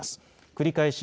繰り返し